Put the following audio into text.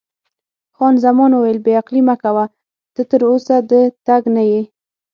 خان زمان وویل: بې عقلي مه کوه، ته تراوسه د تګ نه یې.